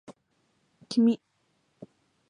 君